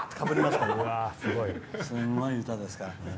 すんごい歌ですから。